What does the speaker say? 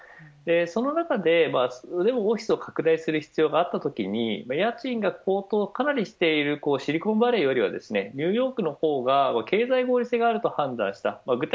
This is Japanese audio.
その中でオフィスを拡大する必要があったときに家賃がかなり高騰しているシリコンバレーよりはニューヨークの方が経済合理性があると判断した。